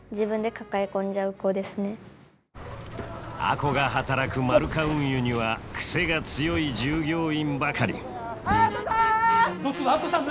亜子が働くマルカ運輸には癖が強い従業員ばかり亜子さん！